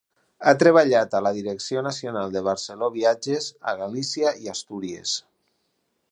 Ha treballat a la Direcció Nacional de Barceló Viatges a Galícia i Astúries.